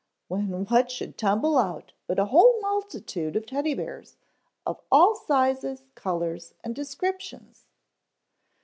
When what should tumble out but a whole multitude of Teddy bears, of all sizes, colors and descriptions?